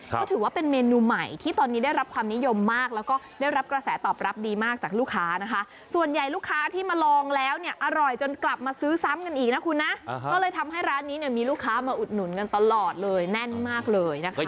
ก็ถือว่าเป็นเมนูใหม่ที่ตอนนี้ได้รับความนิยมมากแล้วก็ได้รับกระแสตอบรับดีมากจากลูกค้านะคะส่วนใหญ่ลูกค้าที่มาลองแล้วเนี่ยอร่อยจนกลับมาซื้อซ้ำกันอีกนะคุณนะก็เลยทำให้ร้านนี้เนี่ยมีลูกค้ามาอุดหนุนกันตลอดเลยแน่นมากเลยนะคะ